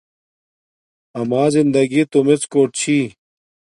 اما زندگی تومڎ کوٹ چھی